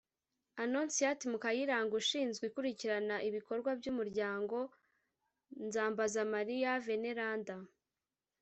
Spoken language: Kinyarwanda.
Annonciate Mukayiranga ushinzwe ikurikirana bikorwa by’umuryango Nzambazamariya Vénéranda